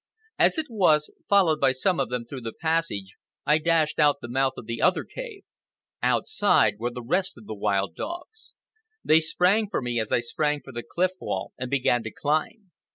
As it was, followed by some of them through the passage, I dashed out the mouth of the other cave. Outside were the rest of the wild dogs. They sprang for me as I sprang for the cliff wall and began to climb.